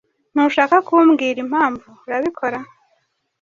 Ntushaka kumbwira impamvu, urabikora?